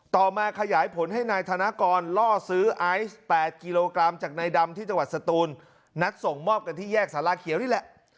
ต่อมาขยายผลให้นายธนกรล่อซื้อไอซ์๘กิโลกรัมจากนายดำที่จังหวัดสตูนนัดส่งมอบกันที่แยกสาราเขียวนี่แหละ